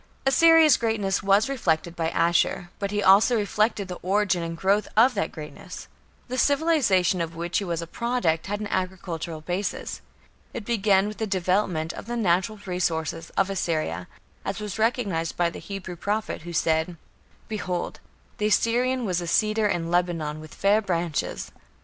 Assyria's greatness was reflected by Ashur, but he also reflected the origin and growth of that greatness. The civilization of which he was a product had an agricultural basis. It began with the development of the natural resources of Assyria, as was recognized by the Hebrew prophet, who said: "Behold, the Assyrian was a cedar in Lebanon with fair branches....